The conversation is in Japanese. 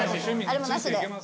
あれもなしで。